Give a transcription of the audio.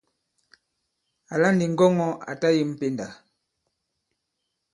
Àla ndi ŋgɔŋɔ̄ à ta yem pendà.